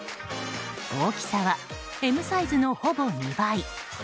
大きさは、Ｍサイズのほぼ２倍。